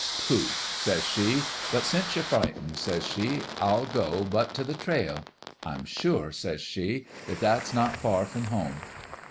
"' Pooh 1 ' says she. ' But since you're fright ened,' says she, Til go but t' the trail. I'm sure,' says she, ' that that s not far from home.'